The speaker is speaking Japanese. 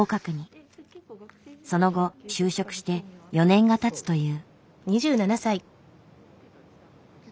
その後就職して４年がたつという。